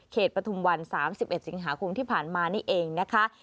ปฐุมวัน๓๑สิงหาคมที่ผ่านมานี่เองนะคะ